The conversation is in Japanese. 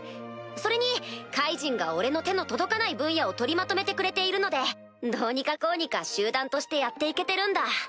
それにカイジンが俺の手の届かない分野を取りまとめてくれているのでどうにかこうにか集団としてやって行けてるんだ。